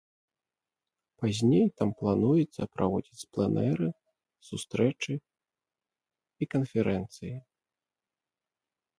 Пазней там плануецца праводзіць пленэры, сустрэчы і канферэнцыі.